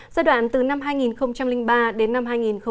giai đoạn từ năm hai nghìn ba đến năm hai nghìn một mươi